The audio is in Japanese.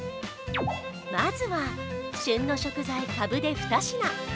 まずは旬の食材かぶで２品。